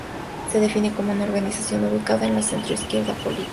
Se define como una organización ubicada en la centroizquierda política.